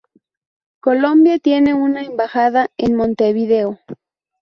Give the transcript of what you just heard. Colombia tiene una embajada en Montevideo.